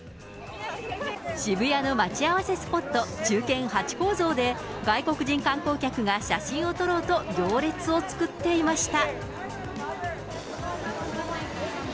渋谷の待ち合わせスポット、忠犬ハチ公像で、外国人観光客が写真を撮ろうと行列を作っていました。